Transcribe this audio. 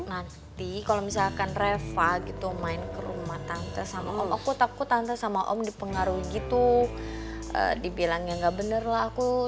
nanti kalau misalkan reva gitu main ke rumah tante sama om aku takut tante sama om dipengaruhi gitu dibilang ya nggak bener lah aku